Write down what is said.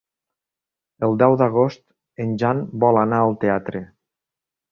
El deu d'agost en Jan vol anar al teatre.